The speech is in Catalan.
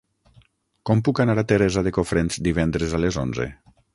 Com puc anar a Teresa de Cofrents divendres a les onze?